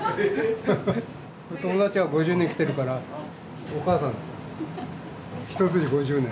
・友達は５０年来てるからお母さん一筋５０年。